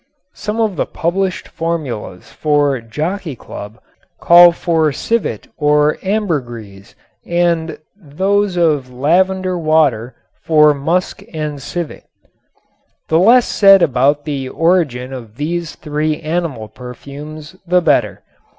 Some of the published formulas for "Jockey Club" call for civet or ambergris and those of "Lavender Water" for musk and civet. The less said about the origin of these three animal perfumes the better.